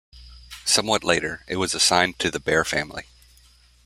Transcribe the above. Somewhat later, it was assigned to the bear family.